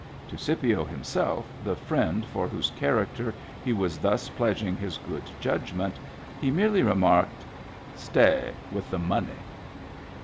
To Scipio himself, the friend for whose character he was thus pledging his good judgment, he merely remarked, "Stay with the money."